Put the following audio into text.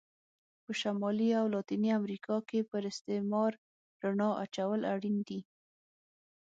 په شمالي او لاتینې امریکا کې پر استعمار رڼا اچول اړین دي.